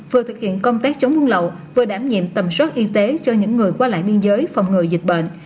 vừa thực hiện công tác chống buôn lậu vừa đảm nhiệm tầm soát y tế cho những người qua lại biên giới phòng ngừa dịch bệnh